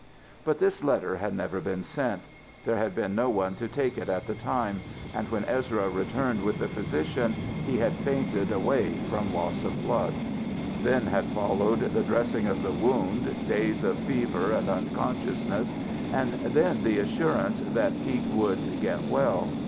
But this letter had never been sent. There had been no one to take it at the time; and when Ezra returned with the physician he had fainted away from loss of blood. Then had followed the dressing of the wound, days of fever and unconsciousness, and then the assurance that he would get well.